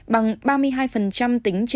bằng ba mươi hai ba tỷ đồng